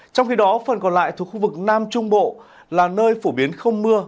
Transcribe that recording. trong khi đó phần còn lại thuộc khu vực nam trung bộ là nơi phổ biến không mưa